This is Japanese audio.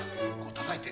たたいて。